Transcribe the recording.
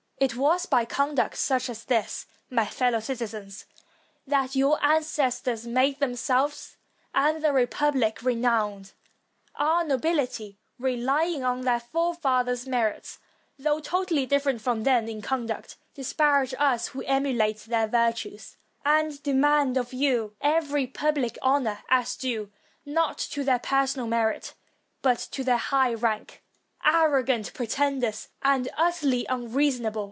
It was by conduct such as this, my fellow citizens, that your ancestors made themselves and the republic renowned; our nobility, relying on their forefathers' merits, though totally different from them in conduct, disparage us who emulate their virtues; and demand of you every pubhc honor, as due, not to their personal merit, but to their high rank. Arrogant pretenders, and utterly unreasonable!